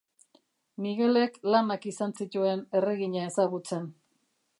Migelek lanak izan zituen erregina ezagutzen.